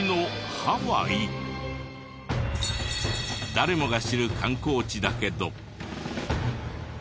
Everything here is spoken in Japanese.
誰もが知る観光地だけど。